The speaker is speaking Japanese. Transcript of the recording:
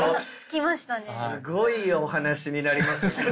すごいお話になりますね。